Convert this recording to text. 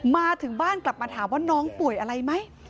มาถึงบ้านกลับมาถามว่าน้องป่วยอะไรไหม